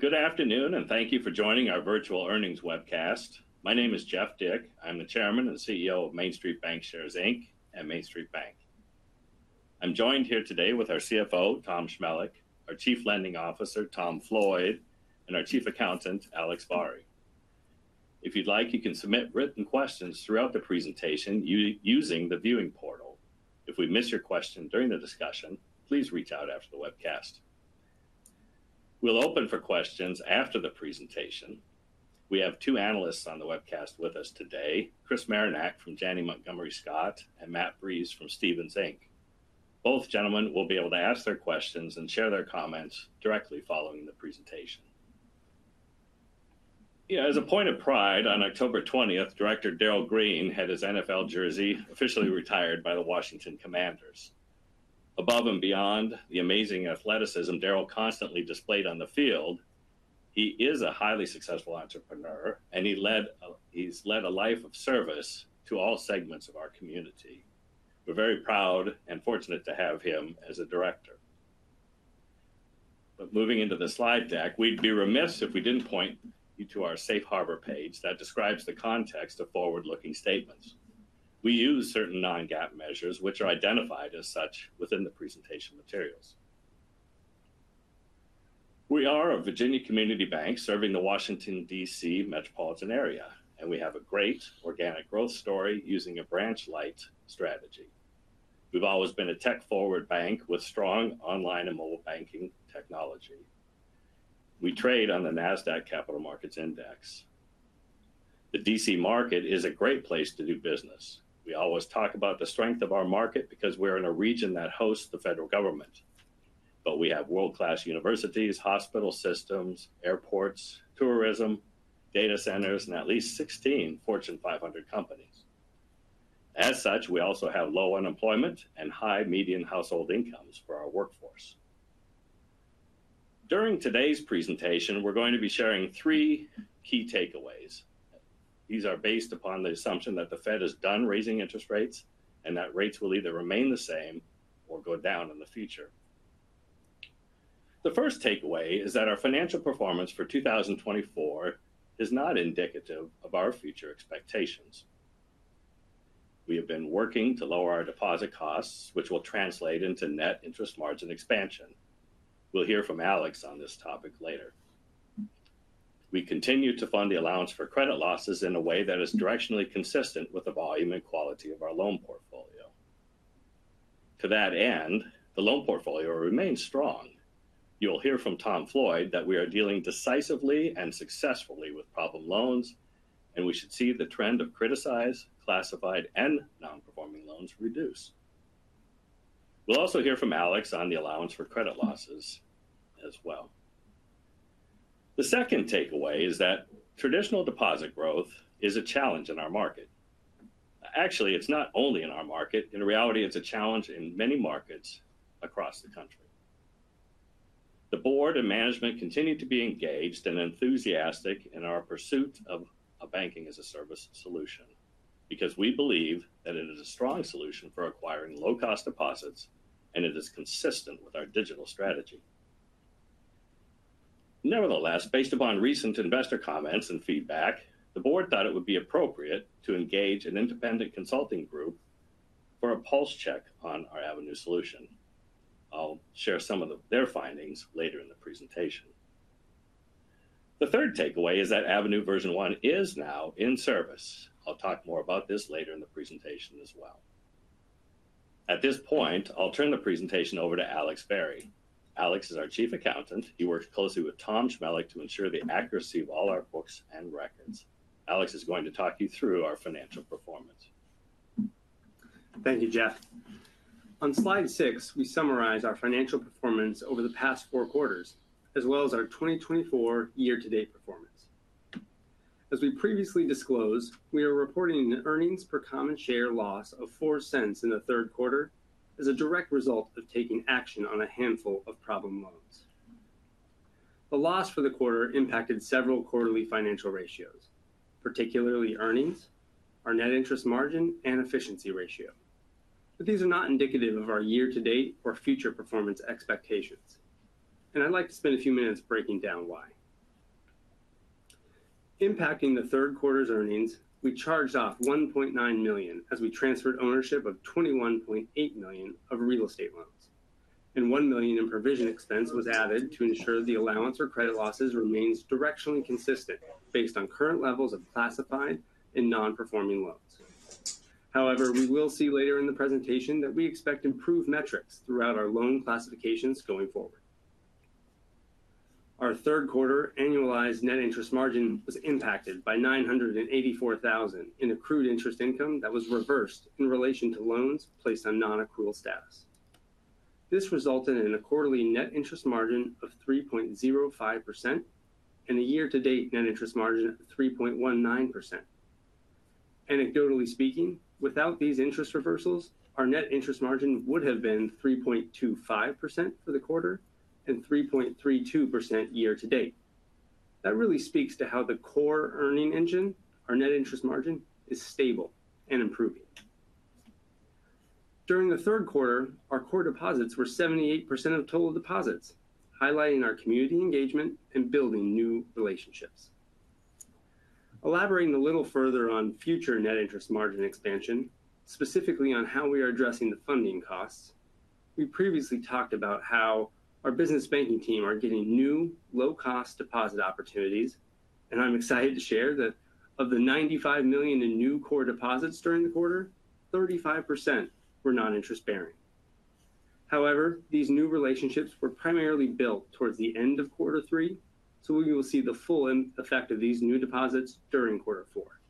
Good afternoon, and thank you for joining our virtual earnings webcast. My name is Jeff Dick. I'm the Chairman and CEO of MainStreet Bancshares, Inc., and MainStreet Bank. I'm joined here today with our CFO, Tom Chmelik, our Chief Lending Officer, Tom Floyd, and our Chief Accountant, Alex Vari. If you'd like, you can submit written questions throughout the presentation using the viewing portal. If we miss your question during the discussion, please reach out after the webcast. We'll open for questions after the presentation. We have two analysts on the webcast with us today: Chris Marinac from Janney Montgomery Scott and Matt Breese from Stephens Inc. Both gentlemen will be able to ask their questions and share their comments directly following the presentation. Yeah, as a point of pride, on October 20th, Director Darrell Green had his NFL jersey officially retired by the Washington Commanders. Above and beyond the amazing athleticism Darrell constantly displayed on the field, he is a highly successful entrepreneur, and he's led a life of service to all segments of our community. We're very proud and fortunate to have him as a director. But moving into the slide deck, we'd be remiss if we didn't point you to our Safe Harbor page that describes the context of forward-looking statements. We use certain non-GAAP measures, which are identified as such within the presentation materials. We are a Virginia community bank serving the Washington, D.C. metropolitan area, and we have a great organic growth story using a branch-light strategy. We've always been a tech-forward bank with strong online and mobile banking technology. We trade on the Nasdaq Capital Markets Index. The DC market is a great place to do business. We always talk about the strength of our market because we're in a region that hosts the federal government, but we have world-class universities, hospital systems, airports, tourism, data centers, and at least sixteen Fortune 500 companies. As such, we also have low unemployment and high median household incomes for our workforce. During today's presentation, we're going to be sharing three key takeaways. These are based upon the assumption that the Fed is done raising interest rates and that rates will either remain the same or go down in the future. The first takeaway is that our financial performance for 2024 is not indicative of our future expectations. We have been working to lower our deposit costs, which will translate into net interest margin expansion. We'll hear from Alex on this topic later. We continue to fund the allowance for credit losses in a way that is directionally consistent with the volume and quality of our loan portfolio. To that end, the loan portfolio remains strong. You'll hear from Tom Floyd that we are dealing decisively and successfully with problem loans, and we should see the trend of criticized, classified, and non-performing loans reduce. We'll also hear from Alex on the allowance for credit losses as well. The second takeaway is that traditional deposit growth is a challenge in our market. Actually, it's not only in our market. In reality, it's a challenge in many markets across the country. The board and management continue to be engaged and enthusiastic in our pursuit of a banking-as-a-service solution because we believe that it is a strong solution for acquiring low-cost deposits, and it is consistent with our digital strategy. Nevertheless, based upon recent investor comments and feedback, the board thought it would be appropriate to engage an independent consulting group for a pulse check on our Avenue solution. I'll share some of their findings later in the presentation. The third takeaway is that Avenue version one is now in service. I'll talk more about this later in the presentation as well. At this point, I'll turn the presentation over to Alex Vari. Alex is our Chief Accountant. He works closely with Tom Chmelik to ensure the accuracy of all our books and records. Alex is going to talk you through our financial performance. Thank you, Jeff. On slide six, we summarize our financial performance over the past four quarters, as well as our 2024 year-to-date performance. As we previously disclosed, we are reporting an earnings per common share loss of $0.04 in the third quarter as a direct result of taking action on a handful of problem loans. The loss for the quarter impacted several quarterly financial ratios, particularly earnings, our net interest margin, and efficiency ratio. But these are not indicative of our year-to-date or future performance expectations, and I'd like to spend a few minutes breaking down why. Impacting the third quarter's earnings, we charged off $1.9 million as we transferred ownership of $21.8 million of real estate loans, and $1 million in provision expense was added to ensure the allowance for credit losses remains directionally consistent based on current levels of classified and non-performing loans. However, we will see later in the presentation that we expect improved metrics throughout our loan classifications going forward. Our third quarter annualized net interest margin was impacted by $984,000 in accrued interest income that was reversed in relation to loans placed on non-accrual status. This resulted in a quarterly net interest margin of 3.05% and a year-to-date net interest margin of 3.19%. Anecdotally speaking, without these interest reversals, our net interest margin would have been 3.25% for the quarter and 3.32% year to date. That really speaks to how the core earning engine, our net interest margin, is stable and improving. During the third quarter, our core deposits were 78% of total deposits, highlighting our community engagement and building new relationships. Elaborating a little further on future net interest margin expansion, specifically on how we are addressing the funding costs, we previously talked about how our business banking team are getting new, low-cost deposit opportunities, and I'm excited to share that of the $95 million in new core deposits during the quarter, 35% were non-interest-bearing. However, these new relationships were primarily built towards the end of quarter three, so we will see the full effect of these new deposits during quarter four.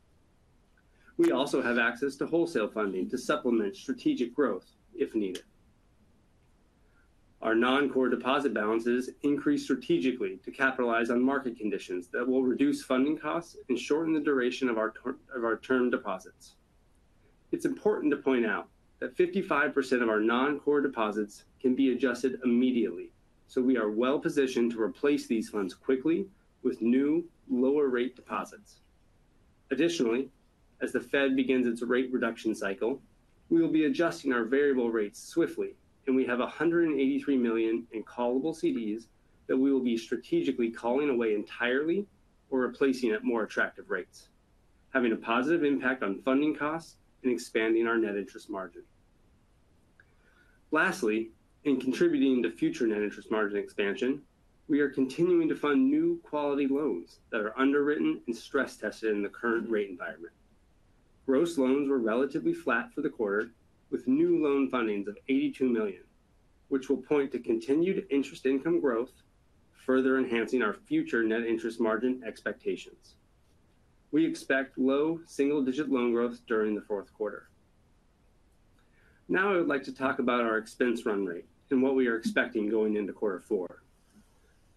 We also have access to wholesale funding to supplement strategic growth if needed. Our non-core deposit balances increase strategically to capitalize on market conditions that will reduce funding costs and shorten the duration of our term deposits. It's important to point out that 55% of our non-core deposits can be adjusted immediately, so we are well-positioned to replace these funds quickly with new, lower-rate deposits. Additionally, as the Fed begins its rate reduction cycle, we will be adjusting our variable rates swiftly, and we have $183 million in callable CDs that we will be strategically calling away entirely or replacing at more attractive rates, having a positive impact on funding costs and expanding our net interest margin. Lastly, in contributing to future net interest margin expansion, we are continuing to fund new quality loans that are underwritten and stress-tested in the current rate environment. Gross loans were relatively flat for the quarter, with new loan fundings of $82 million, which will point to continued interest income growth, further enhancing our future net interest margin expectations. We expect low single-digit loan growth during the fourth quarter. Now, I would like to talk about our expense run rate and what we are expecting going into quarter four.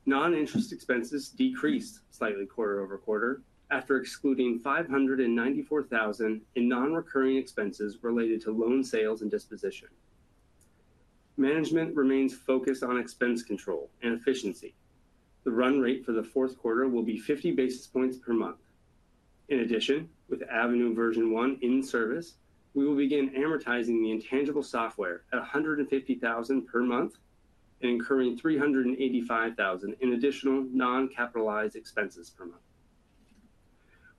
Non-interest expenses decreased slightly quarter over quarter, after excluding $594,000 in non-recurring expenses related to loan sales and disposition. Management remains focused on expense control and efficiency. The run rate for the fourth quarter will be fifty basis points per month. In addition, with Avenue version one in service, we will begin amortizing the intangible software at $150,000 per month and incurring $385,000 in additional non-capitalized expenses per month.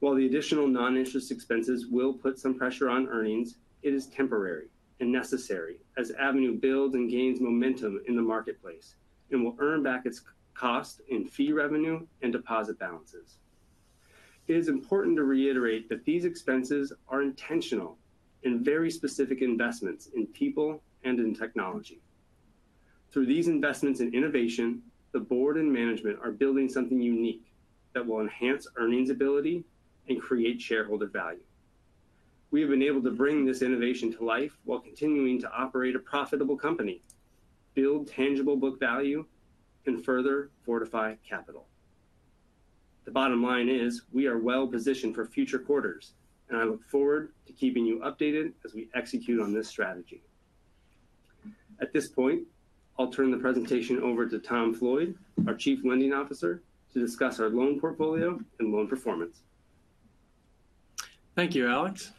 While the additional non-interest expenses will put some pressure on earnings, it is temporary and necessary as Avenue builds and gains momentum in the marketplace and will earn back its cost in fee revenue and deposit balances. It is important to reiterate that these expenses are intentional in very specific investments in people and in technology. Through these investments in innovation, the board and management are building something unique that will enhance earnings ability and create shareholder value. We have been able to bring this innovation to life while continuing to operate a profitable company, build tangible book value, and further fortify capital. The bottom line is we are well positioned for future quarters, and I look forward to keeping you updated as we execute on this strategy. At this point, I'll turn the presentation over to Tom Floyd, our Chief Lending Officer, to discuss our loan portfolio and loan performance. Thank you, Alex.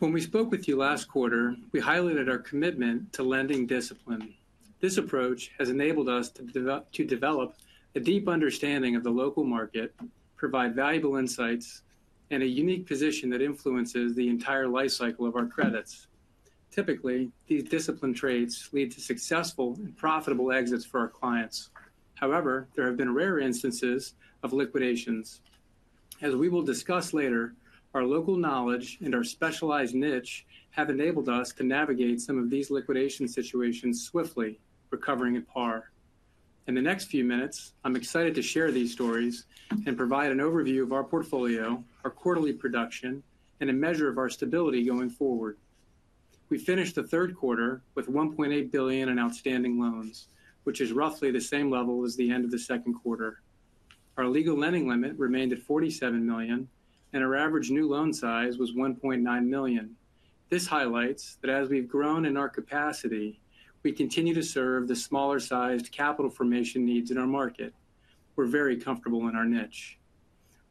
When we spoke with you last quarter, we highlighted our commitment to lending discipline. This approach has enabled us to to develop a deep understanding of the local market, provide valuable insights, and a unique position that influences the entire life cycle of our credits. Typically, these disciplined trades lead to successful and profitable exits for our clients. However, there have been rare instances of liquidations. As we will discuss later, our local knowledge and our specialized niche have enabled us to navigate some of these liquidation situations swiftly, recovering at par. In the next few minutes, I'm excited to share these stories and provide an overview of our portfolio, our quarterly production, and a measure of our stability going forward. We finished the third quarter with $1.8 billion in outstanding loans, which is roughly the same level as the end of the second quarter. Our legal lending limit remained at $47 million, and our average new loan size was $1.9 million. This highlights that as we've grown in our capacity, we continue to serve the smaller-sized capital formation needs in our market. We're very comfortable in our niche.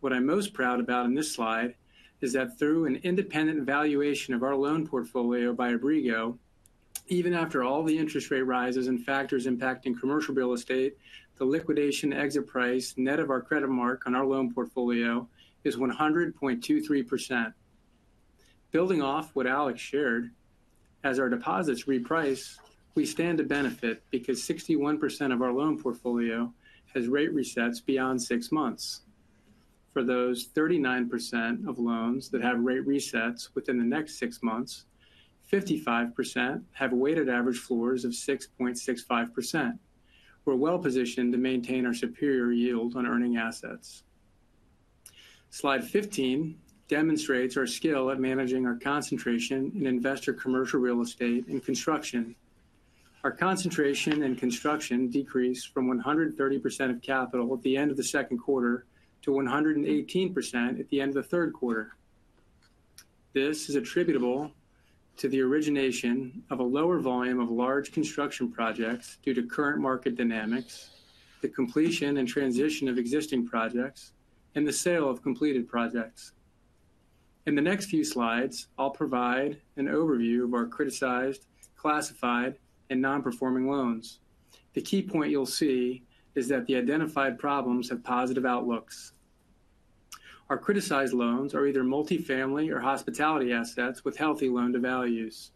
What I'm most proud about in this slide is that through an independent valuation of our loan portfolio by Abrigo, even after all the interest rate rises and factors impacting commercial real estate, the liquidation exit price net of our credit mark on our loan portfolio is 100.23%. Building off what Alex shared, as our deposits reprice, we stand to benefit because 61% of our loan portfolio has rate resets beyond six months. For those 39% of loans that have rate resets within the next six months, 55% have weighted average floors of 6.65%. We're well positioned to maintain our superior yield on earning assets. Slide 15 demonstrates our skill at managing our concentration in investor commercial real estate and construction. Our concentration in construction decreased from 130% of capital at the end of the second quarter to 118% at the end of the third quarter. This is attributable to the origination of a lower volume of large construction projects due to current market dynamics, the completion and transition of existing projects, and the sale of completed projects. In the next few slides, I'll provide an overview of our criticized, classified, and non-performing loans. The key point you'll see is that the identified problems have positive outlooks. Our criticized loans are either multifamily or hospitality assets with healthy loan-to-values.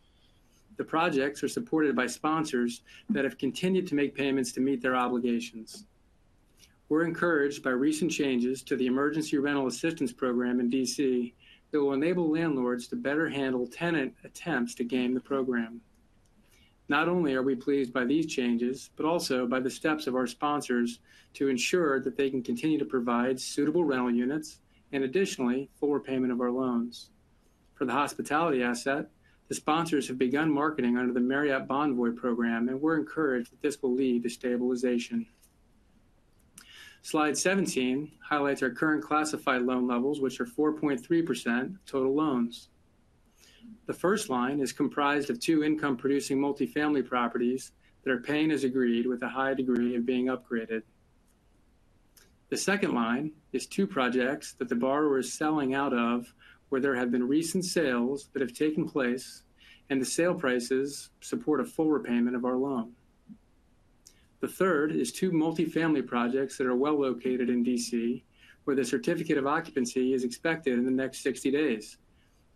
The projects are supported by sponsors that have continued to make payments to meet their obligations. We're encouraged by recent changes to the Emergency Rental Assistance Program in DC that will enable landlords to better handle tenant attempts to game the program. Not only are we pleased by these changes, but also by the steps of our sponsors to ensure that they can continue to provide suitable rental units and additionally, full repayment of our loans. For the hospitality asset, the sponsors have begun marketing under the Marriott Bonvoy program, and we're encouraged that this will lead to stabilization. Slide 17 highlights our current classified loan levels, which are 4.3% total loans. The first line is comprised of two income-producing multifamily properties that are paying as agreed with a high degree of being upgraded. The second line is two projects that the borrower is selling out of, where there have been recent sales that have taken place, and the sale prices support a full repayment of our loan. The third is two multifamily projects that are well-located in D.C., where the certificate of occupancy is expected in the next 60 days.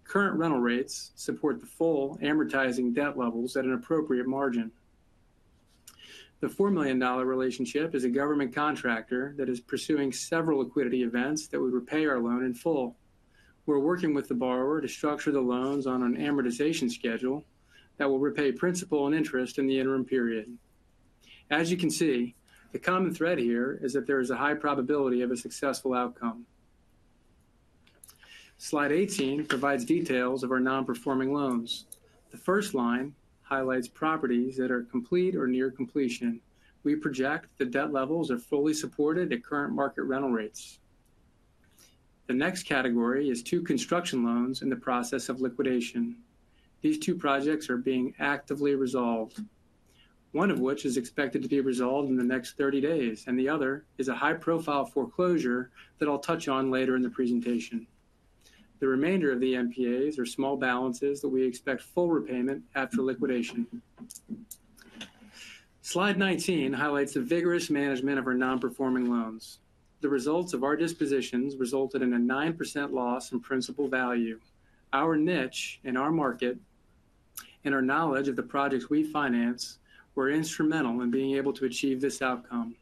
Current rental rates support the full amortizing debt levels at an appropriate margin. The $4 million relationship is a government contractor that is pursuing several liquidity events that would repay our loan in full. We're working with the borrower to structure the loans on an amortization schedule that will repay principal and interest in the interim period. As you can see, the common thread here is that there is a high probability of a successful outcome. Slide 18 provides details of our non-performing loans. The first line highlights properties that are complete or near completion. We project the debt levels are fully supported at current market rental rates. The next category is two construction loans in the process of liquidation. These two projects are being actively resolved, one of which is expected to be resolved in the next 30 days, and the other is a high-profile foreclosure that I'll touch on later in the presentation. The remainder of the NPAs are small balances that we expect full repayment after liquidation. Slide 19 highlights the vigorous management of our non-performing loans. The results of our dispositions resulted in a 9% loss in principal value. Our niche in our market and our knowledge of the projects we finance were instrumental in being able to achieve this outcome.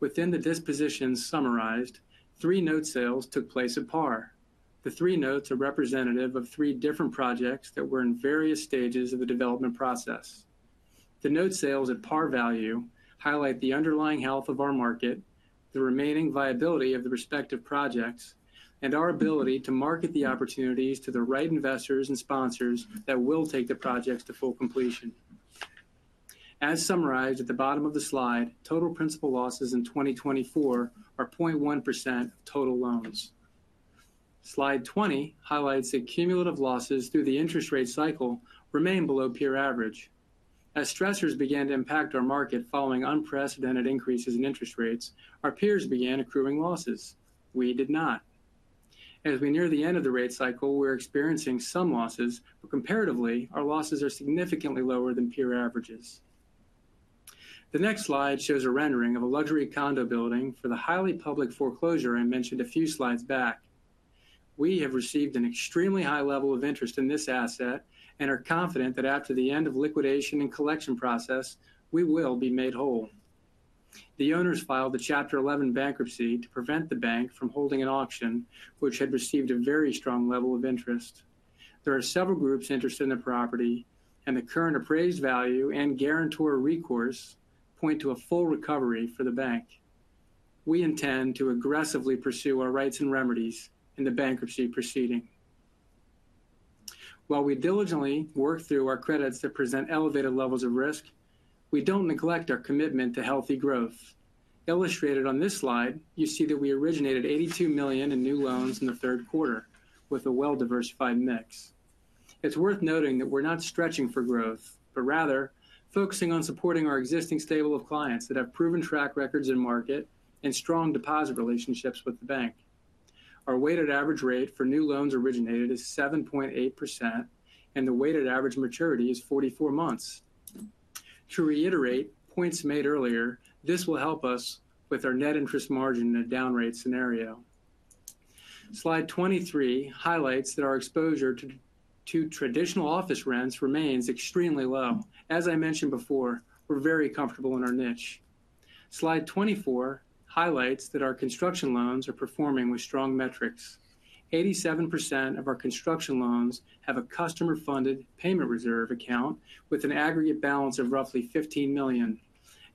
Within the dispositions summarized, three note sales took place at par. The three notes are representative of three different projects that were in various stages of the development process. The note sales at par value highlight the underlying health of our market, the remaining viability of the respective projects, and our ability to market the opportunities to the right investors and sponsors that will take the projects to full completion. As summarized at the bottom of the slide, total principal losses in 2024 are 0.1% of total loans. Slide 20 highlights the cumulative losses through the interest rate cycle remain below peer average. As stressors began to impact our market following unprecedented increases in interest rates, our peers began accruing losses. We did not. As we near the end of the rate cycle, we're experiencing some losses, but comparatively, our losses are significantly lower than peer averages. The next slide shows a rendering of a luxury condo building for the highly public foreclosure I mentioned a few slides back. We have received an extremely high level of interest in this asset and are confident that after the end of liquidation and collection process, we will be made whole. The owners filed a Chapter 11 bankruptcy to prevent the bank from holding an auction, which had received a very strong level of interest. There are several groups interested in the property, and the current appraised value and guarantor recourse point to a full recovery for the bank. We intend to aggressively pursue our rights and remedies in the bankruptcy proceeding. While we diligently work through our credits that present elevated levels of risk, we don't neglect our commitment to healthy growth. Illustrated on this slide, you see that we originated $82 million in new loans in the third quarter with a well-diversified mix. It's worth noting that we're not stretching for growth, but rather focusing on supporting our existing stable of clients that have proven track records in market and strong deposit relationships with the bank. Our weighted average rate for new loans originated is 7.8%, and the weighted average maturity is 44 months. To reiterate points made earlier, this will help us with our net interest margin in a down rate scenario. Slide 23 highlights that our exposure to traditional office rents remains extremely low. As I mentioned before, we're very comfortable in our niche. Slide twenty-four highlights that our construction loans are performing with strong metrics. 87% of our construction loans have a customer-funded payment reserve account with an aggregate balance of roughly $15 million.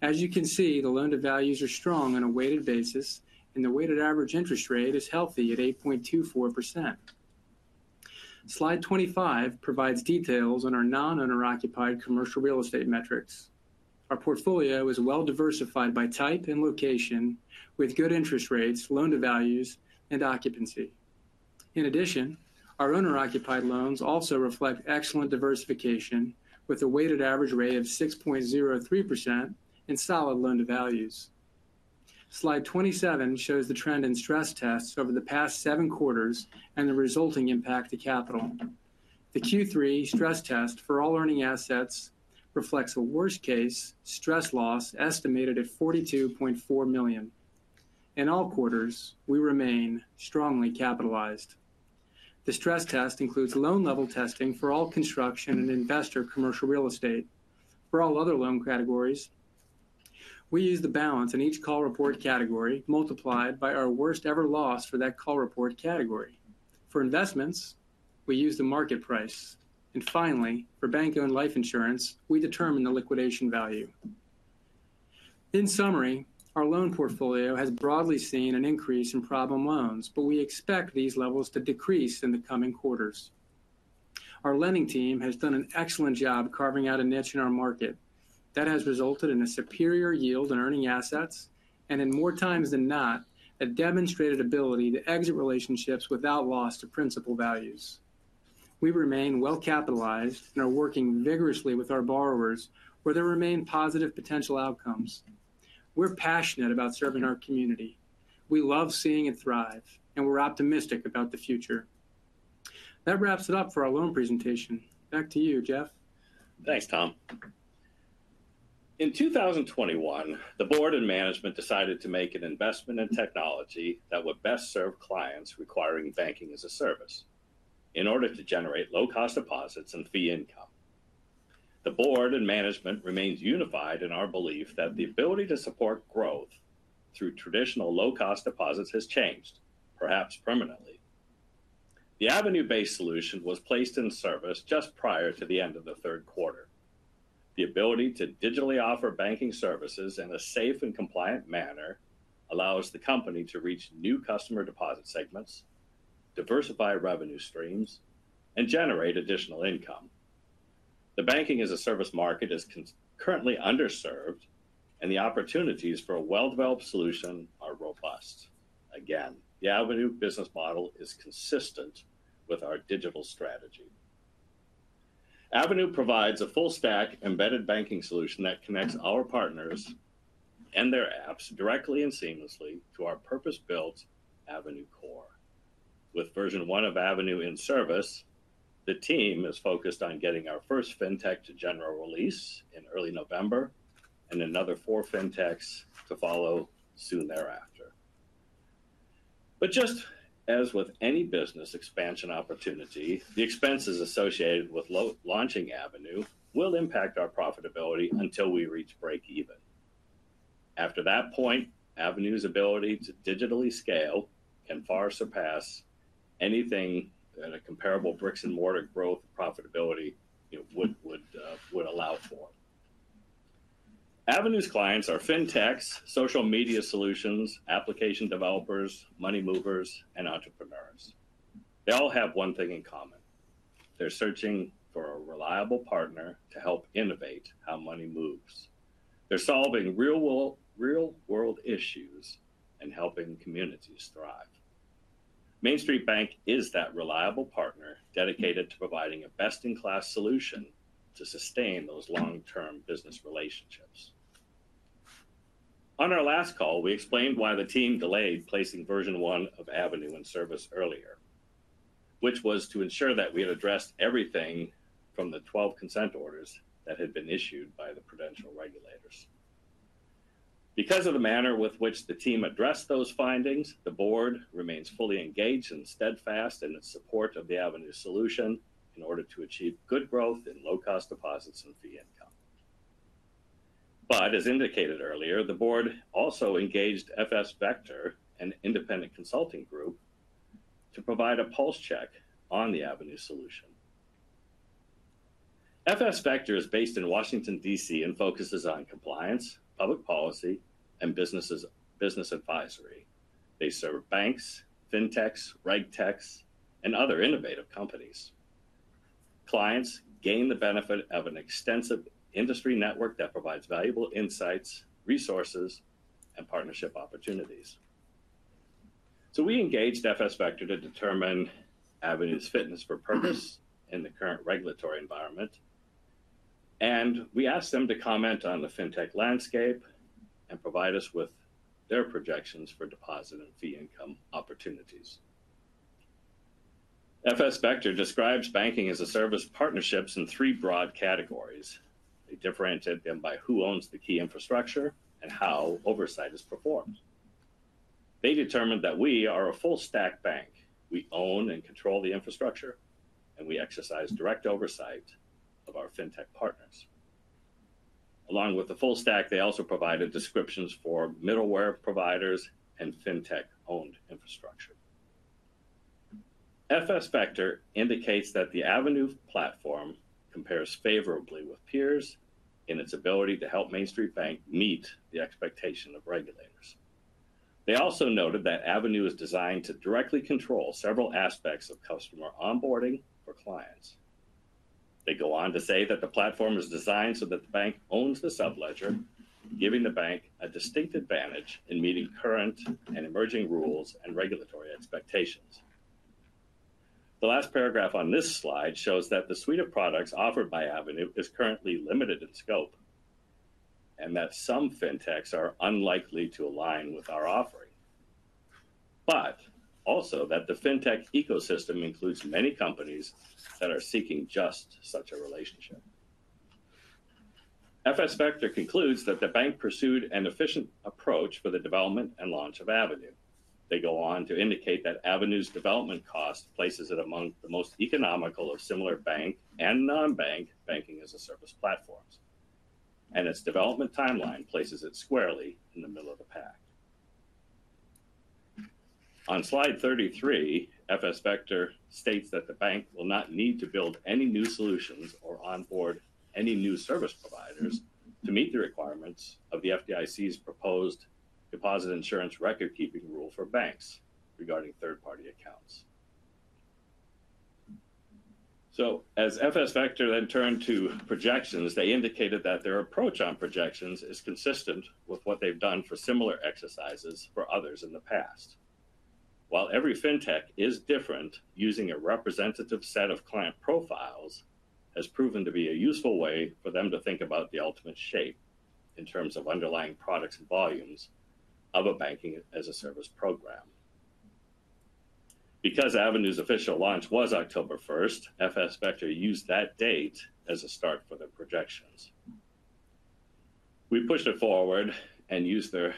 As you can see, the loan-to-values are strong on a weighted basis, and the weighted average interest rate is healthy at 8.24%. Slide twenty-five provides details on our non-owner occupied commercial real estate metrics. Our portfolio is well-diversified by type and location, with good interest rates, loan-to-values, and occupancy. In addition, our owner-occupied loans also reflect excellent diversification, with a weighted average rate of 6.03% and solid loan-to-values.... Slide twenty-seven shows the trend in stress tests over the past seven quarters and the resulting impact to capital. The Q3 stress test for all earning assets reflects a worst-case stress loss estimated at $42.4 million. In all quarters, we remain strongly capitalized. The stress test includes loan level testing for all construction and investor commercial real estate. For all other loan categories, we use the balance in each call report category, multiplied by our worst-ever loss for that call report category. For investments, we use the market price, and finally, for bank-owned life insurance, we determine the liquidation value. In summary, our loan portfolio has broadly seen an increase in problem loans, but we expect these levels to decrease in the coming quarters. Our lending team has done an excellent job carving out a niche in our market that has resulted in a superior yield in earning assets and in more times than not, a demonstrated ability to exit relationships without loss to principal values. We remain well-capitalized and are working vigorously with our borrowers where there remain positive potential outcomes. We're passionate about serving our community. We love seeing it thrive, and we're optimistic about the future. That wraps it up for our loan presentation. Back to you, Jeff. Thanks, Tom. In two thousand twenty-one, the board and management decided to make an investment in technology that would best serve clients requiring banking as a service in order to generate low-cost deposits and fee income. The board and management remains unified in our belief that the ability to support growth through traditional low-cost deposits has changed, perhaps permanently. The Avenue-based solution was placed in service just prior to the end of the third quarter. The ability to digitally offer banking services in a safe and compliant manner allows the company to reach new customer deposit segments, diversify revenue streams, and generate additional income. The banking-as-a-service market is concurrently underserved, and the opportunities for a well-developed solution are robust. Again, the Avenue business model is consistent with our digital strategy. Avenue provides a full stack, embedded banking solution that connects our partners and their apps directly and seamlessly to our purpose-built Avenue core. With version one of Avenue in service, the team is focused on getting our first fintech to general release in early November and another four fintechs to follow soon thereafter. But just as with any business expansion opportunity, the expenses associated with launching Avenue will impact our profitability until we reach break even. After that point, Avenue's ability to digitally scale can far surpass anything that a comparable bricks and mortar growth profitability, it would allow for. Avenue's clients are fintechs, social media solutions, application developers, money movers, and entrepreneurs. They all have one thing in common: they're searching for a reliable partner to help innovate how money moves. They're solving real-world issues and helping communities thrive. MainStreet Bank is that reliable partner, dedicated to providing a best-in-class solution to sustain those long-term business relationships. On our last call, we explained why the team delayed placing version one of Avenue in service earlier, which was to ensure that we had addressed everything from the twelve consent orders that had been issued by the Prudential regulators. Because of the manner with which the team addressed those findings, the board remains fully engaged and steadfast in its support of the Avenue solution in order to achieve good growth in low-cost deposits and fee income. But as indicated earlier, the board also engaged FS Vector, an independent consulting group, to provide a pulse check on the Avenue solution. FS Vector is based in Washington, D.C. and focuses on compliance, public policy, and business advisory. They serve banks, fintechs, RegTechs, and other innovative companies. Clients gain the benefit of an extensive industry network that provides valuable insights, resources, and partnership opportunities, so we engaged FS Vector to determine Avenue's fitness for purpose in the current regulatory environment, and we asked them to comment on the fintech landscape and provide us with their projections for deposit and fee income opportunities. FS Vector describes banking as a service partnerships in three broad categories. They differentiated them by who owns the key infrastructure and how oversight is performed. They determined that we are a full-stack bank. We own and control the infrastructure, and we exercise direct oversight of our fintech partners. Along with the full stack, they also provided descriptions for middleware providers and fintech-owned infrastructure. FS Vector indicates that the Avenue platform compares favorably with peers in its ability to MainStreet Bank meet the expectation of regulators. They also noted that Avenue is designed to directly control several aspects of customer onboarding for clients. They go on to say that the platform is designed so that the bank owns the subledger, giving the bank a distinct advantage in meeting current and emerging rules and regulatory expectations. The last paragraph on this slide shows that the suite of products offered by Avenue is currently limited in scope, and that some fintechs are unlikely to align with our offering. But also, that the fintech ecosystem includes many companies that are seeking just such a relationship. FS Vector concludes that the bank pursued an efficient approach for the development and launch of Avenue. They go on to indicate that Avenue's development cost places it among the most economical or similar bank and non-bank banking as a service platforms, and its development timeline places it squarely in the middle of the pack. On slide 33, FS Vector states that the bank will not need to build any new solutions or onboard any new service providers to meet the requirements of the FDIC's proposed deposit insurance record-keeping rule for banks regarding third-party accounts. So as FS Vector then turned to projections, they indicated that their approach on projections is consistent with what they've done for similar exercises for others in the past. While every fintech is different, using a representative set of client profiles has proven to be a useful way for them to think about the ultimate shape in terms of underlying products and volumes of a banking-as-a-service program. Because Avenue's official launch was October 1st, FS Vector used that date as a start for their projections. We pushed it forward and used their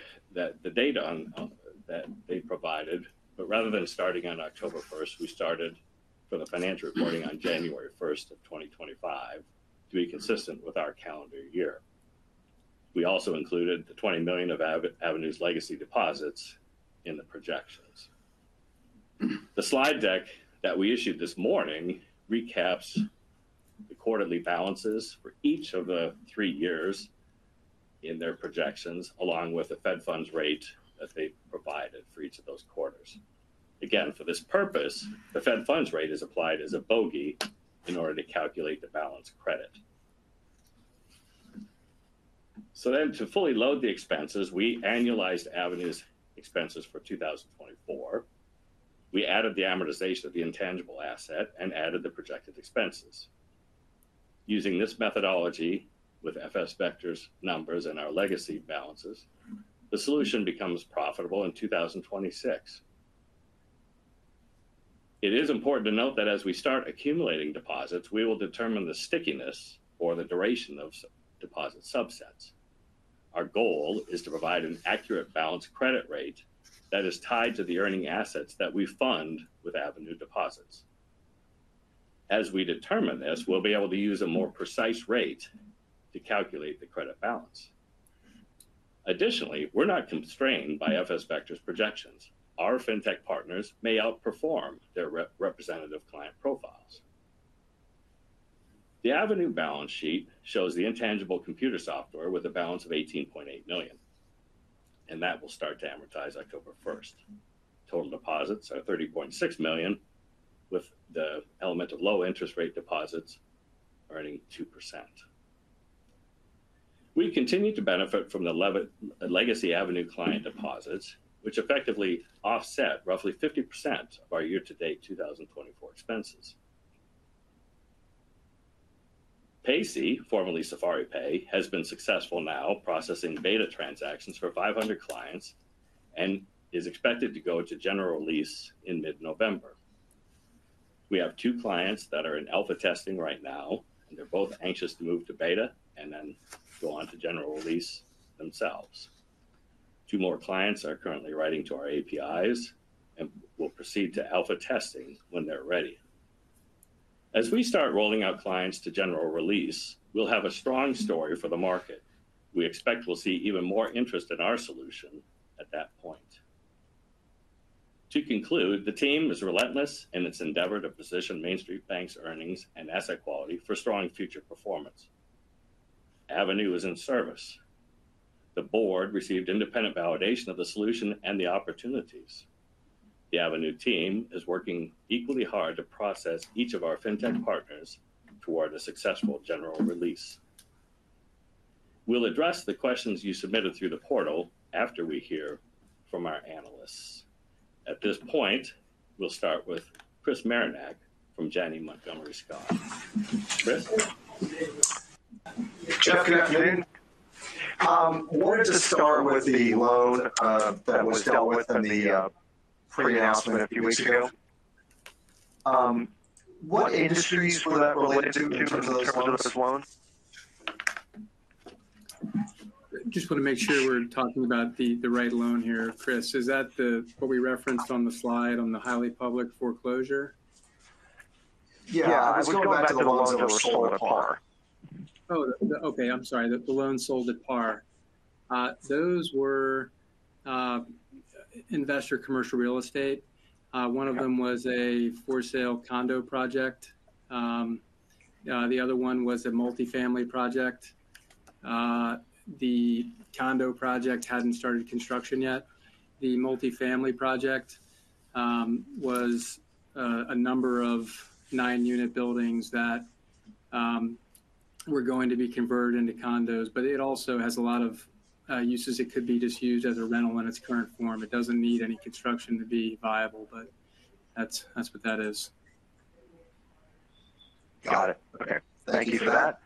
data on that they provided, but rather than starting on October 1st, we started for the financial reporting on January 1st of 2025 to be consistent with our calendar year. We also included the $20 million of Avenue's legacy deposits in the projections. The slide deck that we issued this morning recaps the quarterly balances for each of the three years in their projections, along with the Fed funds rate that they provided for each of those quarters. Again, for this purpose, the Fed funds rate is applied as a bogey in order to calculate the balance credit. Then, to fully load the expenses, we annualized Avenue's expenses for 2024. We added the amortization of the intangible asset and added the projected expenses. Using this methodology with FS Vector's numbers and our legacy balances, the solution becomes profitable in 2026. It is important to note that as we start accumulating deposits, we will determine the stickiness or the duration of deposit subsets. Our goal is to provide an accurate balance credit rate that is tied to the earning assets that we fund with Avenue deposits. As we determine this, we'll be able to use a more precise rate to calculate the credit balance. Additionally, we're not constrained by FS Vector's projections. Our fintech partners may outperform their representative client profiles. The Avenue balance sheet shows the intangible computer software with a balance of $18.8 million, and that will start to amortize October 1st. Total deposits are $30.6 million, with the element of low interest rate deposits earning 2%. We continue to benefit from the legacy Avenue client deposits, which effectively offset roughly 50% of our year-to-date 2024 expenses. Pako, formerly SafariPay, has been successful now, processing beta transactions for 500 clients and is expected to go to general release in mid-November. We have two clients that are in alpha testing right now, and they're both anxious to move to beta and then go on to general release themselves. Two more clients are currently writing to our APIs and will proceed to alpha testing when they're ready. As we start rolling out clients to general release, we'll have a strong story for the market. We expect we'll see even more interest in our solution at that point. To conclude, the team is relentless in its endeavor to MainStreet Bank's earnings and asset quality for strong future performance. Avenue is in service. The board received independent validation of the solution and the opportunities. The Avenue team is working equally hard to process each of our fintech partners toward a successful general release. We'll address the questions you submitted through the portal after we hear from our analysts. At this point, we'll start with Chris Marinac from Janney Montgomery Scott. Chris? Jeff, good afternoon. Wanted to start with the loan that was dealt with in the pre-announcement a few weeks ago. What industries were that related to in terms of those loans? Just want to make sure we're talking about the right loan here, Chris. Is that what we referenced on the slide on the highly public foreclosure? Yeah, going back to the loans that were sold at par. Oh, okay. I'm sorry, the loans sold at par. Those were investor commercial real estate. One of them was a for-sale condo project. The other one was a multifamily project. The condo project hadn't started construction yet. The multifamily project was a number of nine-unit buildings that... were going to be converted into condos, but it also has a lot of uses. It could be just used as a rental in its current form. It doesn't need any construction to be viable, but that's what that is. Got it. Okay. Thank you for that.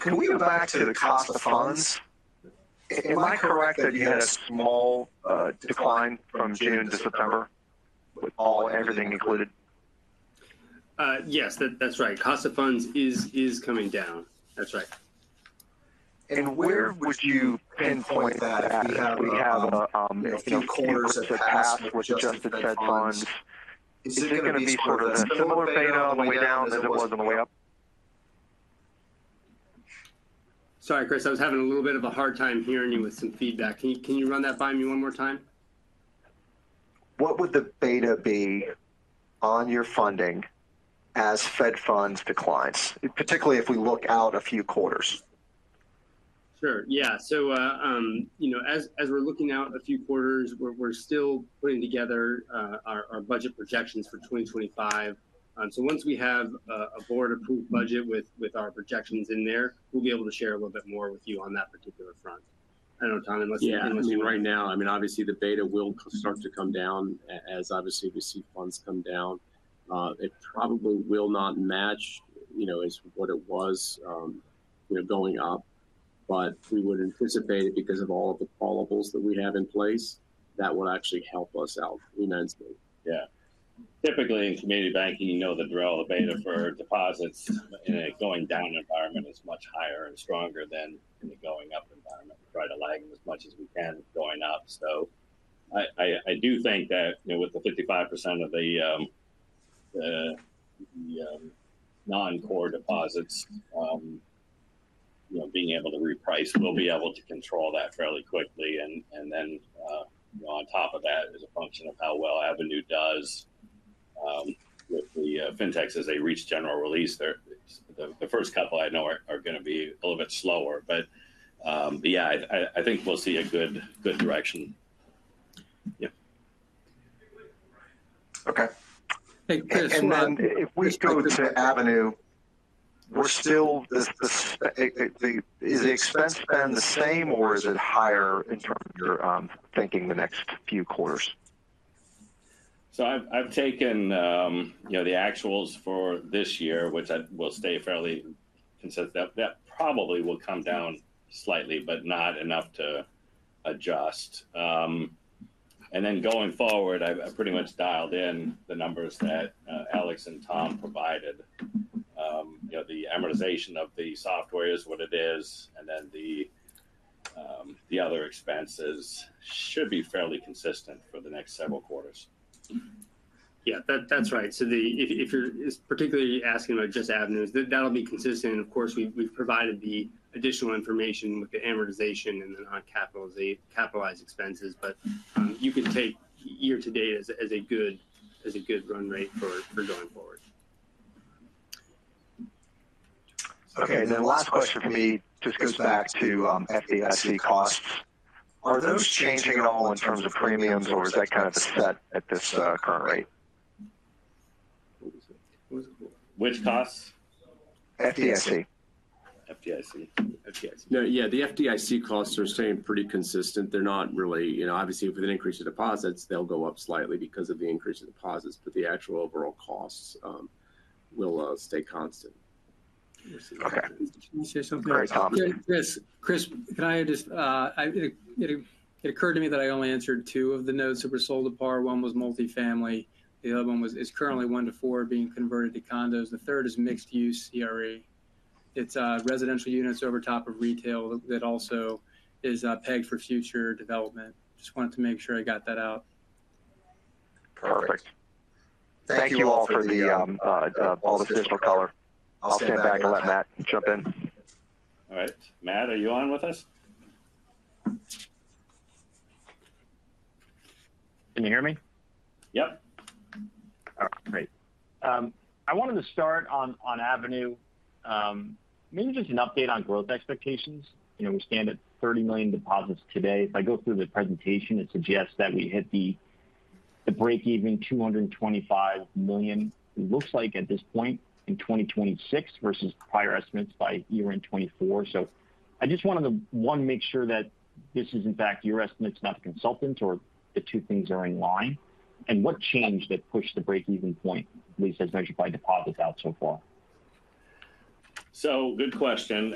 Can we go back to the cost of funds? Am I correct that you had a small decline from June to September, with everything included? Yes, that's right. Cost of funds is coming down. That's right. Where would you pinpoint that at? We have a few quarters that passed with adjusted Fed funds. Is it going to be sort of a similar beta on the way down as it was on the way up? Sorry, Chris, I was having a little bit of a hard time hearing you with some feedback. Can you, can you run that by me one more time? What would the beta be on your funding as Fed funds declines, particularly if we look out a few quarters? Sure, yeah. So, you know, as we're looking out a few quarters, we're still putting together our budget projections for twenty twenty-five, so once we have a board-approved budget with our projections in there, we'll be able to share a little bit more with you on that particular front. I don't know, Tom, unless you- Yeah, I mean, right now, I mean, obviously, the beta will start to come down as obviously we see funds come down. It probably will not match, you know, as what it was, you know, going up, but we would anticipate it because of all of the callables that we have in place, that will actually help us out immensely. Yeah. Typically, in community banking, you know the drill, the beta for deposits in a going down environment is much higher and stronger than in a going up environment. We try to lag them as much as we can going up. So I do think that, you know, with the 55% of the non-core deposits, you know, being able to reprice, we'll be able to control that fairly quickly. And then, you know, on top of that is a function of how well Avenue does with the Fintech as they reach general release. They're the first couple I know are going to be a little bit slower, but yeah, I think we'll see a good direction. Yeah. Okay. Hey, Chris- And then if we go to Avenue, is the expense spend the same or is it higher in terms of your thinking the next few quarters? So I've taken, you know, the actuals for this year, which I will stay fairly consistent. That probably will come down slightly, but not enough to adjust. And then going forward, I've pretty much dialed in the numbers that Alex and Tom provided. You know, the amortization of the software is what it is, and then the other expenses should be fairly consistent for the next several quarters. Yeah, that's right. So the... If you're particularly asking about just Avenue, that will be consistent. And of course, we've provided the additional information with the amortization and then on capitalized expenses. But you can take year to date as a good run rate for going forward. Okay, then last question for me just goes back to FDIC costs. Are those changing at all in terms of premiums, or is that kind of set at this current rate? Which costs? FDIC. FDIC. FDIC. No, yeah, the FDIC costs are staying pretty consistent. They're not really, you know, obviously, if we increase the deposits, they'll go up slightly because of the increase in deposits, but the actual overall costs will stay constant. Okay. Can I say something? All right, Tom. Chris, Chris, can I just, it occurred to me that I only answered two of the notes that were sold to par. One was multifamily, the other one is currently one to four, being converted to condos. The third is mixed-use CRA. It's residential units over top of retail that also is pegged for future development. Just wanted to make sure I got that out. Perfect. Thank you all for all the additional color. I'll stand back and let Matt jump in. All right. Matt, are you on with us? Can you hear me? Yep. All right, great. I wanted to start on Avenue. Maybe just an update on growth expectations. You know, we stand at $30 million deposits today. If I go through the presentation, it suggests that we hit the break-even $225 million. It looks like at this point in 2026 versus prior estimates by year-end 2024. So I just wanted to one, make sure that this is in fact your estimate, it's not a consultant's, or the two things are in line, and what changed that pushed the break-even point, at least as measured by deposits out so far? So good question.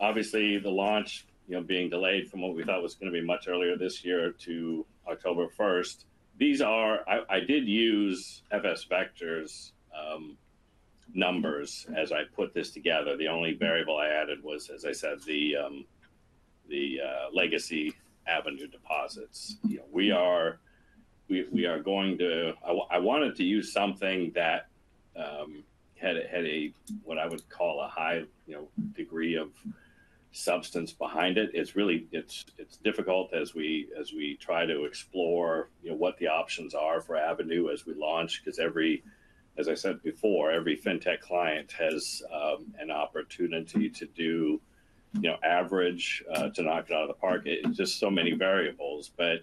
Obviously, the launch, you know, being delayed from what we thought was going to be much earlier this year to October 1st. These are. I did use FS Vector's numbers as I put this together. The only variable I added was, as I said, the legacy Avenue deposits. You know, we are going to. I wanted to use something that had a what I would call a high, you know, degree of substance behind it. It's really difficult as we try to explore, you know, what the options are for Avenue as we launch, because every, as I said before, every Fintech client has an opportunity to do, you know, average to knock it out of the park. It's just so many variables, but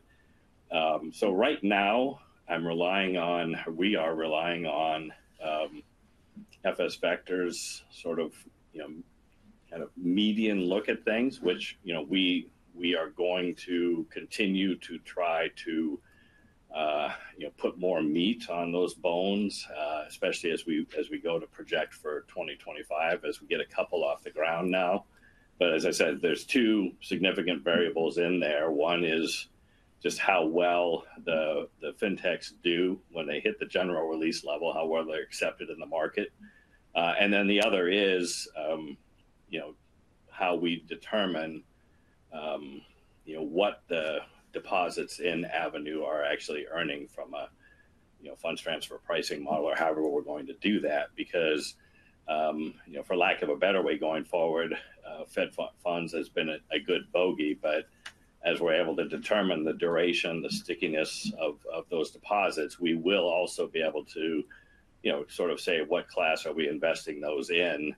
so right now I'm relying on, we are relying on, FS Vector's sort of, you know, kind of median look at things, which, you know, we are going to continue to try to, you know, put more meat on those bones. Especially as we go to project for twenty twenty-five, as we get a couple off the ground now. But as I said, there's two significant variables in there. One is just how well the Fintechs do when they hit the general release level, how well they're accepted in the market. And then the other is, you know, how we determine, you know, what the deposits in Avenue are actually earning from a, you know, funds transfer pricing model, or however we're going to do that. Because, you know, for lack of a better way going forward, Fed Funds has been a good bogey, but as we're able to determine the duration, the stickiness of those deposits, we will also be able to, you know, sort of say, what class are we investing those in,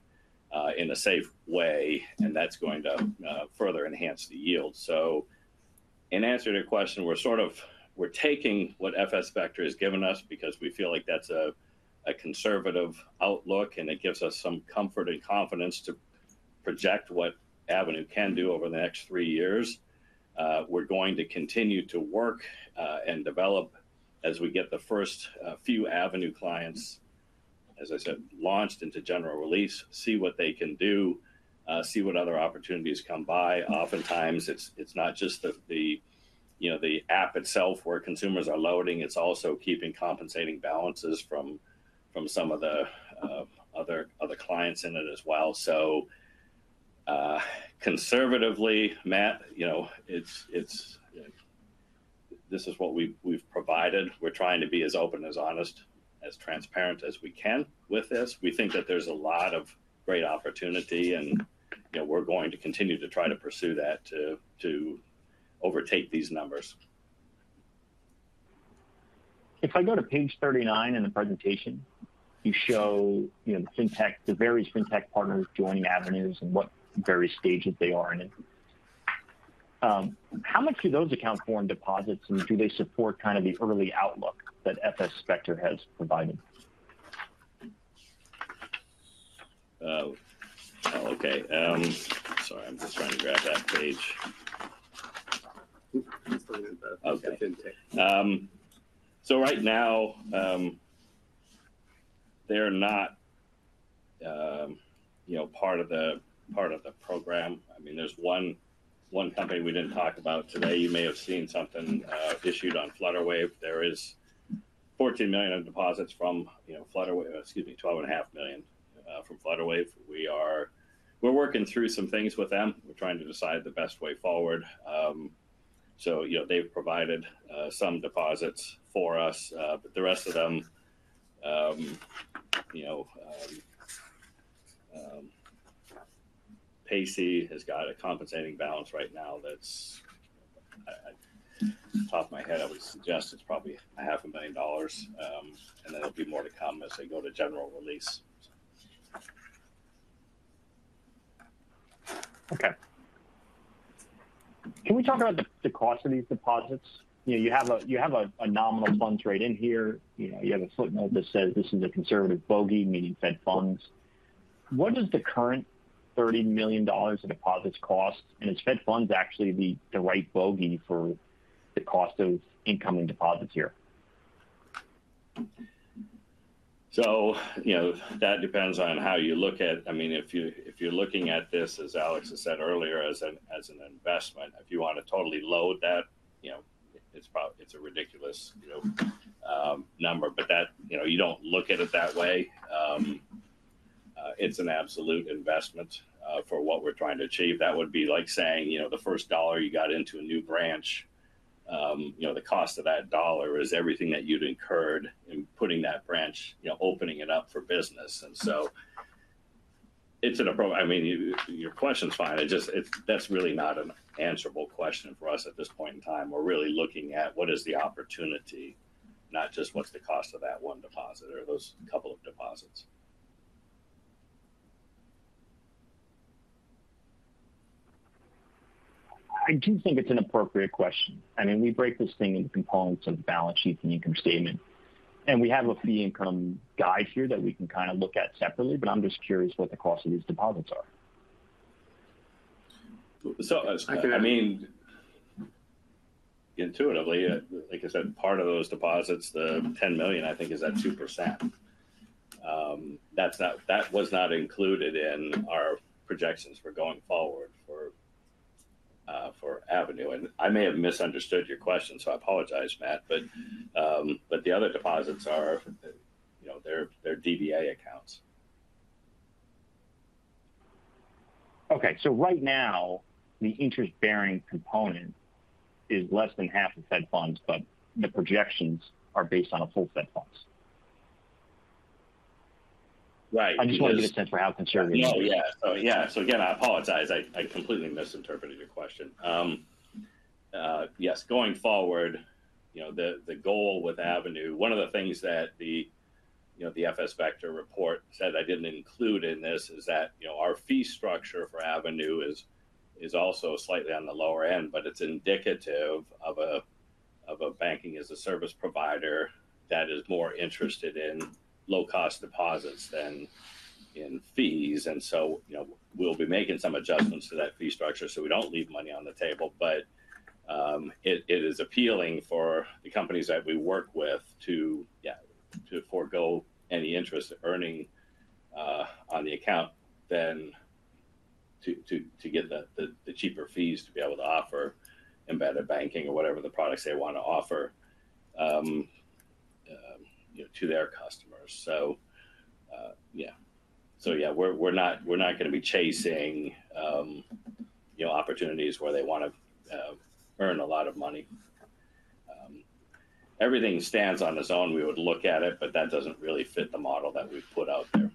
in a safe way? And that's going to further enhance the yield. So in answer to your question, we're sort of taking what FS Vector has given us, because we feel like that's a conservative outlook, and it gives us some comfort and confidence to project what Avenue can do over the next three years. We're going to continue to work and develop as we get the first few Avenue clients, as I said, launched into general release. See what they can do, see what other opportunities come by. Oftentimes, it's not just the you know the app itself where consumers are loading, it's also keeping compensating balances from some of the other clients in it as well. So, conservatively, Matt, you know, it's this is what we've provided. We're trying to be as open, as honest, as transparent as we can with this. We think that there's a lot of great opportunity, and, you know, we're going to continue to try to pursue that to overtake these numbers. If I go to page 39 in the presentation, you show, you know, the fintech, the various fintech partners joining Avenue and what various stages they are in it. How much do those accounts form deposits, and do they support kind of the early outlook that FS Vector has provided? Okay. Sorry, I'm just trying to grab that page. So right now, they're not, you know, part of the, part of the program. I mean, there's one company we didn't talk about today. You may have seen something issued on Flutterwave. There is $14 million of deposits from, you know, Flutterwave – excuse me, $12.5 million from Flutterwave. We're working through some things with them. We're trying to decide the best way forward. So, you know, they've provided some deposits for us, but the rest of them, you know, Paco has got a compensating balance right now that's... Off the top of my head, I would suggest it's probably $500,000. And there'll be more to come as they go to general release. Okay. Can we talk about the cost of these deposits? You know, you have a nominal funds rate in here. You know, you have a footnote that says, "This is a conservative bogey," meaning Fed Funds. What is the current $30 million in deposits cost? And is Fed Funds actually the right bogey for the cost of incoming deposits here? So, you know, that depends on how you look at it. I mean, if you're looking at this, as Alex has said earlier, as an investment, if you want to totally load that, you know, it's a ridiculous, you know, number. But that, you know, you don't look at it that way. It's an absolute investment for what we're trying to achieve. That would be like saying: "You know, the first dollar you got into a new branch, you know, the cost of that dollar is everything that you'd incurred in putting that branch, you know, opening it up for business." And so, I mean, your question's fine, I just, it's, that's really not an answerable question for us at this point in time. We're really looking at what is the opportunity, not just what's the cost of that one deposit or those couple of deposits. I do think it's an appropriate question. I mean, we break this thing into components of the balance sheet and income statement, and we have a fee income guide here that we can kind of look at separately, but I'm just curious what the cost of these deposits are? I mean, intuitively, like I said, part of those deposits, the ten million, I think, is at 2%. That's not that was not included in our projections for going forward for Avenue. And I may have misunderstood your question, so I apologize, Matt, but the other deposits are, you know, they're DVA accounts. Okay, so right now, the interest-bearing component is less than half of Fed Funds, but the projections are based on a full Fed Funds? Right. I just want to get a sense for how conservative- Oh, yeah. Oh, yeah. So again, I apologize. I completely misinterpreted your question. Yes, going forward, you know, the goal with Avenue, one of the things that you know, the FS Vector report said I didn't include in this is that, you know, our fee structure for Avenue is also slightly on the lower end, but it's indicative of a banking as a service provider that is more interested in low-cost deposits than in fees. And so, you know, we'll be making some adjustments to that fee structure, so we don't leave money on the table. But, it is appealing for the companies that we work with to forego any interest earning on the account than to get the cheaper fees to be able to offer embedded banking or whatever the products they want to offer, you know, to their customers. So, yeah. So yeah, we're not gonna be chasing, you know, opportunities where they want to earn a lot of money. Everything stands on its own, we would look at it, but that doesn't really fit the model that we've put out there.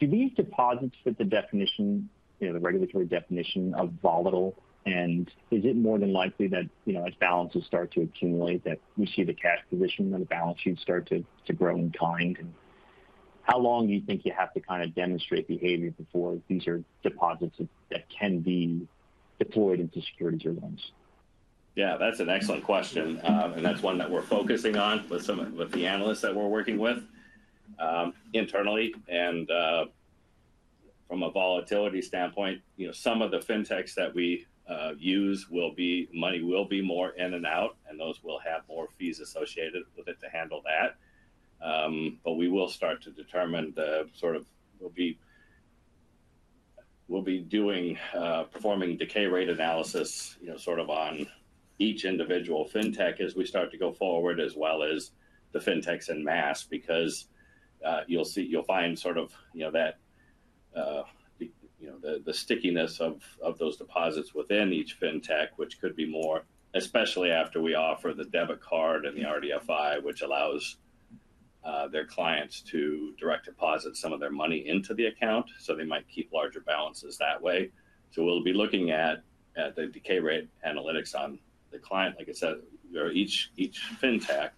Do these deposits fit the definition, you know, the regulatory definition of volatile? And is it more than likely that, you know, as balances start to accumulate, that we see the cash position on the balance sheet start to grow in kind? How long do you think you have to kind of demonstrate behavior before these are deposits that can be deployed into securities or loans? Yeah, that's an excellent question, and that's one that we're focusing on with the analysts that we're working with internally, and from a volatility standpoint, you know, some of the fintechs that we use will be, money will be more in and out, and those will have more fees associated with it to handle that. But we'll be performing decay rate analysis, you know, sort of on each individual fintech as we start to go forward, as well as the fintechs en masse. Because you'll find sort of, you know, that the stickiness of those deposits within each fintech, which could be more, especially after we offer the debit card and the RDFI, which allows their clients to direct deposit some of their money into the account, so they might keep larger balances that way. So we'll be looking at the decay rate analytics on the client, like I said, or each fintech,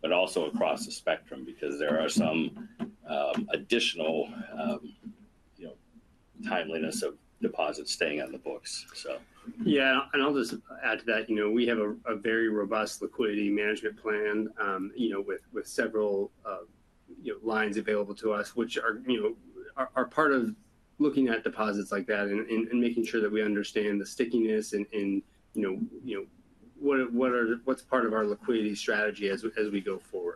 but also across the spectrum, because there are some additional, you know, timeliness of deposits staying on the books. So... Yeah, and I'll just add to that. You know, we have a very robust liquidity management plan, you know, with several lines available to us, which are part of looking at deposits like that and making sure that we understand the stickiness and, you know, what's part of our liquidity strategy as we go forward?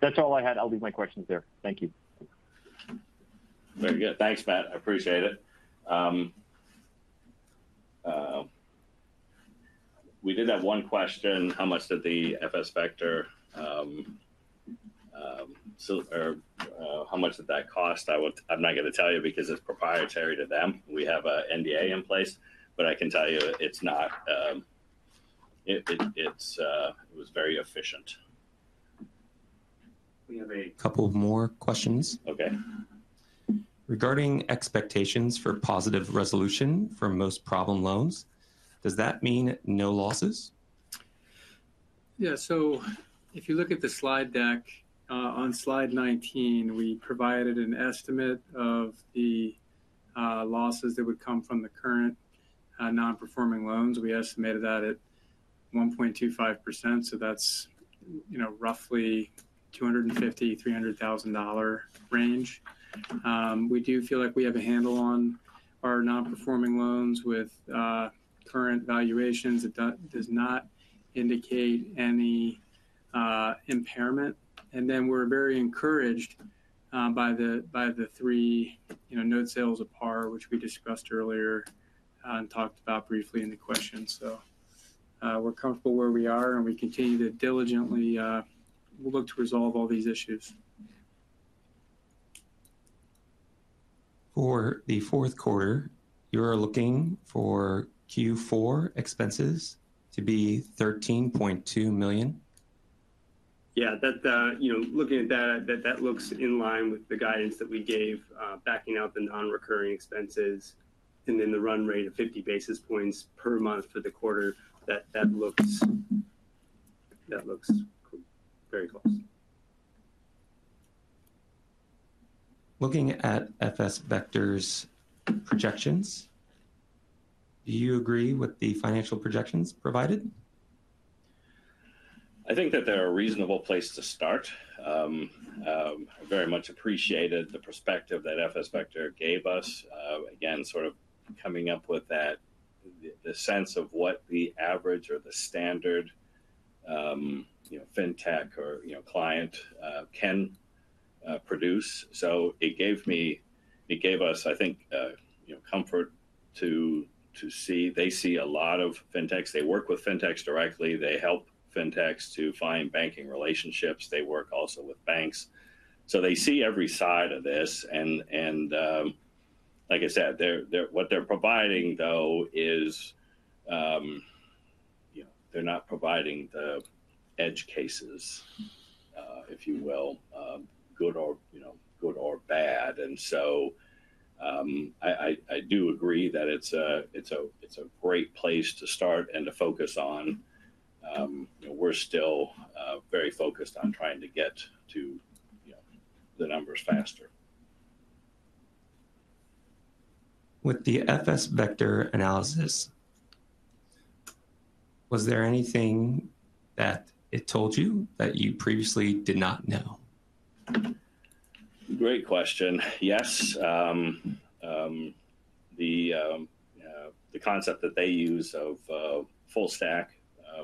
Okay. That's all I had. I'll leave my questions there. Thank you. Very good. Thanks, Matt. I appreciate it. We did have one question. How much did the FS Vector cost? I'm not going to tell you because it's proprietary to them. We have an NDA in place, but I can tell you it's not. It was very efficient. We have a couple more questions. Okay. Regarding expectations for positive resolution for most problem loans, does that mean no losses? Yeah. So if you look at the slide deck, on slide 19, we provided an estimate of the losses that would come from the current non-performing loans. We estimated that at 1.25%, so that's, you know, roughly $250,000-$300,000 range. We do feel like we have a handle on our non-performing loans with current valuations. It does not indicate any impairment. And then, we're very encouraged by the three, you know, note sales at par, which we discussed earlier and talked about briefly in the question. So, we're comfortable where we are, and we continue to diligently, we'll look to resolve all these issues. For the fourth quarter, you are looking for Q4 expenses to be $13.2 million? Yeah, that, you know, looking at that, that looks in line with the guidance that we gave, backing out the non-recurring expenses and then the run rate of 50 basis points per month for the quarter. That looks very close. Looking at FS Vector's projections, do you agree with the financial projections provided? I think that they're a reasonable place to start. I very much appreciated the perspective that FS Vector gave us. Again, sort of coming up with that, the sense of what the average or the standard, you know, fintech or, you know, client, can produce. So it gave us, I think, you know, comfort to see. They see a lot of fintechs. They work with fintechs directly. They help fintechs to find banking relationships. They work also with banks. So they see every side of this, and, like I said, what they're providing, though, is they're not providing the edge cases, if you will, good or bad. And so, I do agree that it's a great place to start and to focus on. We're still very focused on trying to get to, you know, the numbers faster. With the FS Vector analysis, was there anything that it told you that you previously did not know? Great question! Yes, the concept that they use of full stack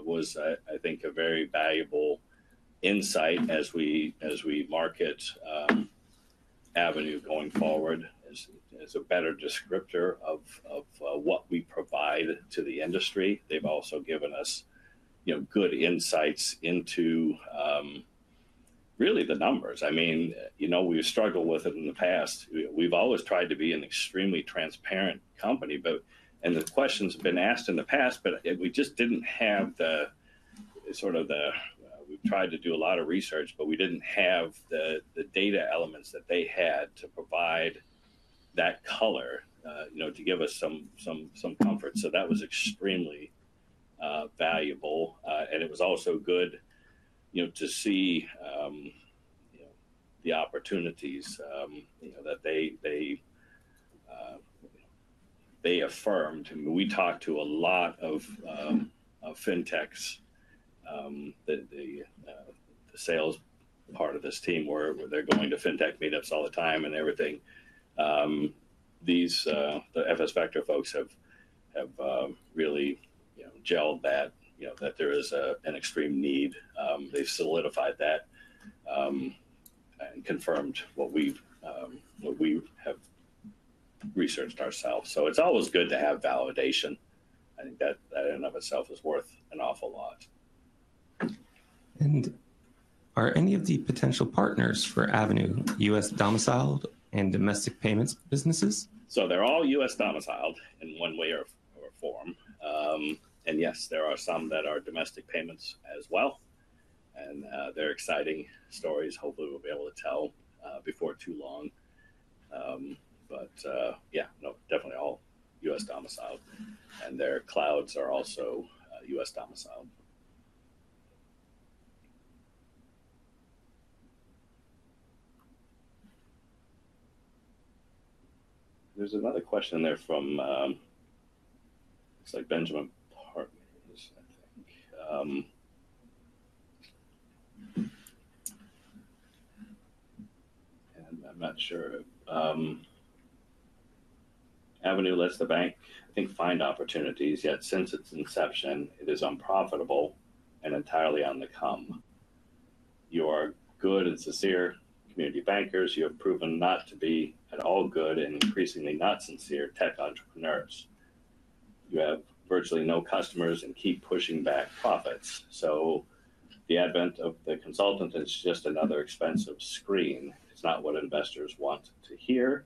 was, I think, a very valuable insight as we market Avenue going forward, as a better descriptor of what we provide to the industry. They've also given us, you know, good insights into really the numbers. I mean, you know, we struggled with it in the past. We've always tried to be an extremely transparent company, but, and the questions have been asked in the past, but we just didn't have. We tried to do a lot of research, but we didn't have the data elements that they had to provide that color. You know, to give us some comfort, so that was extremely valuable. And it was also good, you know, to see, you know, the opportunities, you know, that they affirmed. We talked to a lot of fintechs, the sales part of this team, where they're going to fintech meetups all the time and everything. These FS Vector folks have really, you know, gelled that, you know, that there is an extreme need. They've solidified that and confirmed what we have researched ourselves. So it's always good to have validation. I think that in and of itself is worth an awful lot. And are any of the potential partners for Avenue U.S.-domiciled and domestic payments businesses? So they're all U.S.-domiciled in one way or form. And yes, there are some that are domestic payments as well, and, they're exciting stories hopefully we'll be able to tell, before too long. But, yeah. No, definitely all U.S.-domiciled, and their clouds are also, U.S.-domiciled. There's another question there from, looks like Benjamin Partners, I think. And I'm not sure, Avenue lets the bank, I think, find opportunities, yet since its inception, it is unprofitable and entirely on the come. You are good and sincere community bankers. You have proven not to be at all good and increasingly not sincere tech entrepreneurs. You have virtually no customers and keep pushing back profits. So the advent of the consultant is just another expensive screen. It's not what investors want to hear.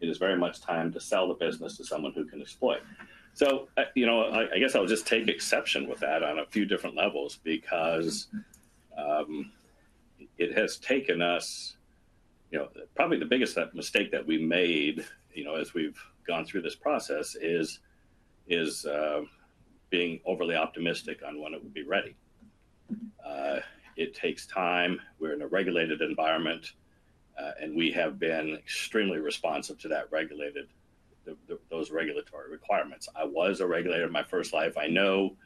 It is very much time to sell the business to someone who can exploit. So, you know, I guess I'll just take exception with that on a few different levels because it has taken us. You know, probably the biggest mistake that we made, you know, as we've gone through this process is being overly optimistic on when it would be ready. It takes time. We're in a regulated environment, and we have been extremely responsive to that regulated, those regulatory requirements. I was a regulator in my first life. I know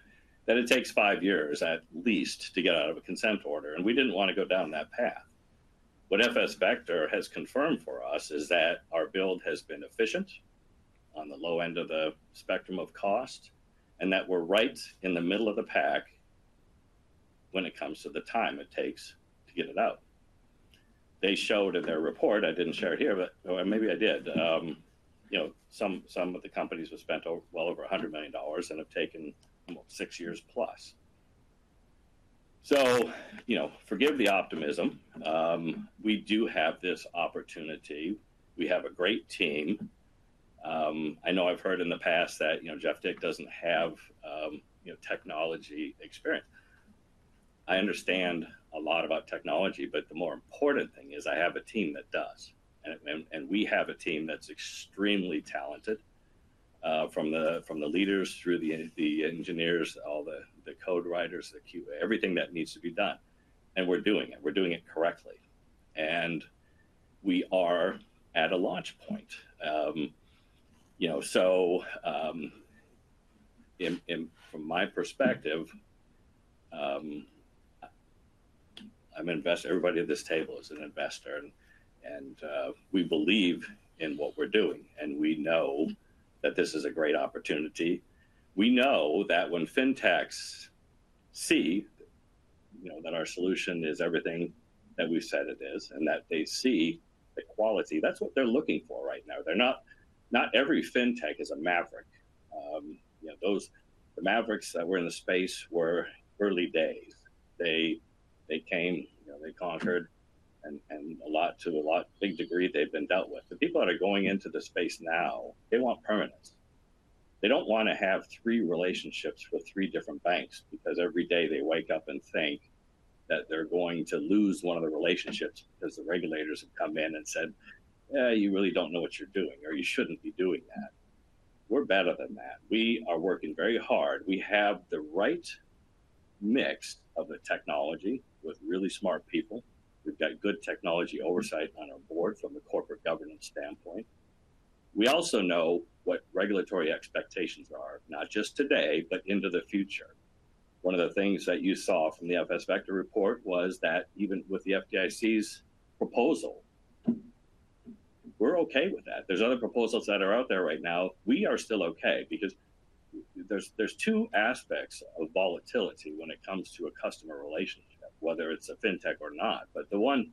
that it takes five years at least to get out of a consent order, and we didn't want to go down that path. What FS Vector has confirmed for us is that our build has been efficient, on the low end of the spectrum of cost, and that we're right in the middle of the pack when it comes to the time it takes to get it out. They showed in their report. I didn't share it here, but, or maybe I did, you know, some of the companies have spent over, well over $100 million and have taken six years plus. So, you know, forgive the optimism. We do have this opportunity. We have a great team. I know I've heard in the past that, you know, Jeff Dick doesn't have, you know, technology experience. I understand a lot about technology, but the more important thing is I have a team that does, and we have a team that's extremely talented from the leaders through the engineers, all the code writers, the QA, everything that needs to be done, and we're doing it. We're doing it correctly, and we are at a launch point. You know, so from my perspective, I'm an investor, everybody at this table is an investor, and we believe in what we're doing, and we know that this is a great opportunity. We know that when fintechs see, you know, that our solution is everything that we said it is, and that they see the quality, that's what they're looking for right now. They're not. Not every fintech is a maverick. You know, those, the mavericks that were in the space in the early days. They came, you know, they conquered... and, to a large degree, they've been dealt with. The people that are going into the space now, they want permanence. They don't wanna have three relationships with three different banks, because every day they wake up and think that they're going to lose one of the relationships, because the regulators have come in and said, "Eh, you really don't know what you're doing, or you shouldn't be doing that." We're better than that. We are working very hard. We have the right mix of the technology with really smart people. We've got good technology oversight on our board from a corporate governance standpoint. We also know what regulatory expectations are, not just today, but into the future. One of the things that you saw from the FS Vector report was that even with the FDIC's proposal, we're okay with that. There's other proposals that are out there right now. We are still okay, because there's two aspects of volatility when it comes to a customer relationship, whether it's a fintech or not, but the one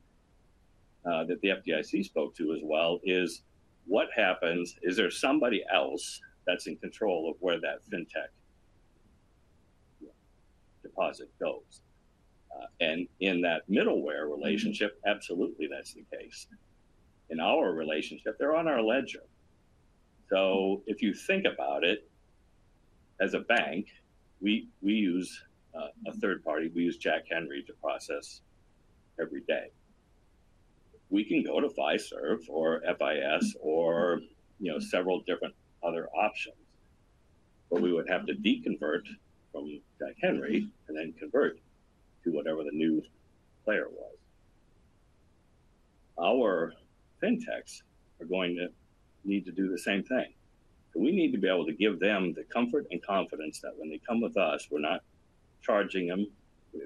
that the FDIC spoke to as well is what happens is there somebody else that's in control of where that fintech deposit goes, and in that middleware relationship, absolutely, that's the case. In our relationship, they're on our ledger, so if you think about it, as a bank, we use a third party. We use Jack Henry to process every day. We can go to Fiserv or FIS, or, you know, several different other options, but we would have to deconvert from Jack Henry and then convert to whatever the new player was. Our fintechs are going to need to do the same thing. We need to be able to give them the comfort and confidence that when they come with us, we're not charging them.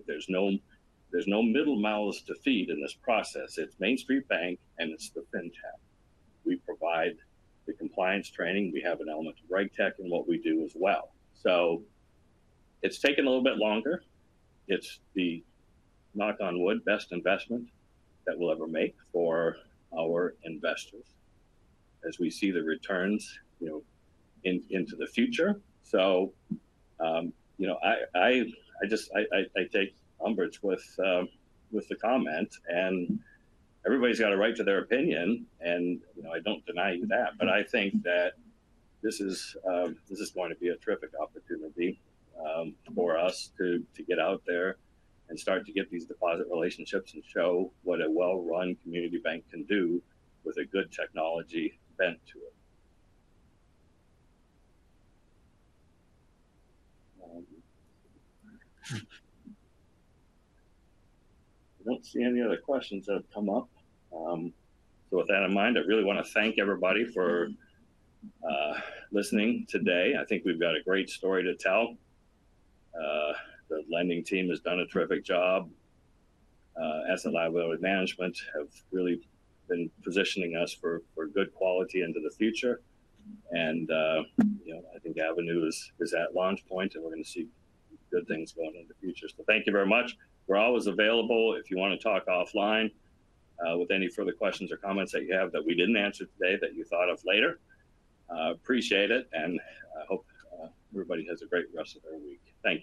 There's no, there's no middleware to feed in this process. MainStreet Bank, and it's the fintech. We provide the compliance training. We have an element of reg tech in what we do as well. So it's taken a little bit longer. It's the, knock on wood, best investment that we'll ever make for our investors, as we see the returns, you know, into the future. So, you know, I just take umbrage with the comment, and everybody's got a right to their opinion, and, you know, I don't deny that. But I think that this is going to be a terrific opportunity for us to get out there and start to get these deposit relationships and show what a well-run community bank can do with a good technology bent to it. I don't see any other questions that have come up, so with that in mind, I really want to thank everybody for listening today. I think we've got a great story to tell. The lending team has done a terrific job. Asset liability management have really been positioning us for good quality into the future. And, you know, I think Avenue is at launch point, and we're going to see good things going in the future. So thank you very much. We're always available if you want to talk offline with any further questions or comments that you have that we didn't answer today, that you thought of later. Appreciate it, and I hope everybody has a great rest of their week. Thank you.